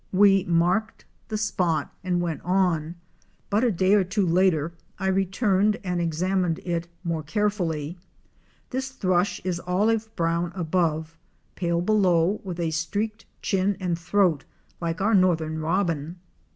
We marked the spot and went on, but a day or two later I returned and examined it more carefully. This Thrush is olive brown above, pale below with a streaked chin and throat like our northern Robin.